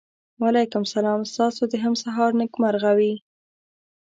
وعلیکم سلام ستاسو د هم سهار نېکمرغه وي.